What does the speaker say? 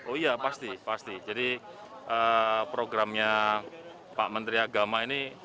oh iya pasti pasti jadi programnya pak menteri agama ini